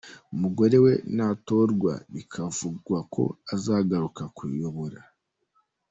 Umugore we natorwa bikavugwa ko azagaruka kuyiyobora.